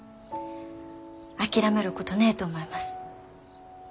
諦めることねえと思います。